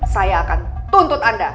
saya akan tuntut anda